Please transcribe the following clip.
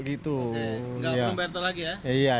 nggak perlu bayar tol lagi ya